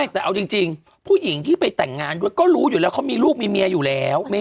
แต่เอาจริงผู้หญิงที่ไปแต่งงานด้วยก็รู้อยู่แล้วเขามีลูกมีเมียอยู่แล้ว